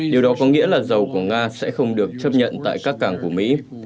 điều đó có nghĩa là dầu của nga sẽ không được chấp nhận tại các cảng của mỹ